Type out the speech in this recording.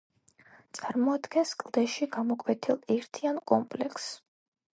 წარმოადგენს კლდეში გამოკვეთილ ერთიან კომპლექსს.